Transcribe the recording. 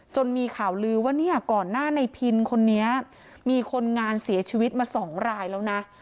มีข่าวลือว่าเนี่ยก่อนหน้าในพินคนนี้มีคนงานเสียชีวิตมา๒รายแล้วนะ